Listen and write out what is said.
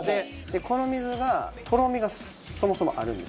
この水がとろみがそもそもあるんです。